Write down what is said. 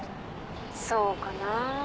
そうかな？